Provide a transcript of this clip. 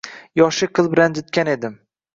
Yoshlik qilib ranjitgan edim